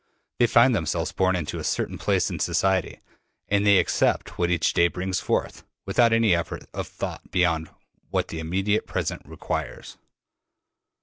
They find themselves born into a certain place in society, and they accept what each day brings forth, without any effort of thought beyond what the immediate present requires.